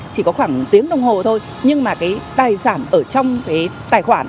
chỉ có khoảng tiếng đồng hồ thôi nhưng mà cái tài sản ở trong cái tài khoản